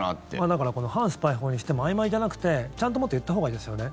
だから反スパイ法にしてもあいまいじゃなくてちゃんと、もっと言ったほうがいいですよね。